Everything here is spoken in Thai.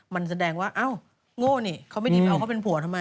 มันแสดงว่าอ้าวโง่นี่เขาไม่ได้ไปเอาเขาเป็นผัวทำไม